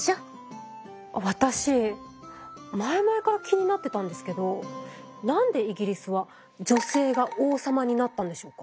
私前々から気になってたんですけど何でイギリスは女性が王様になったんでしょうか？